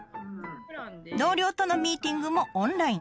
同僚とのミーティングもオンライン。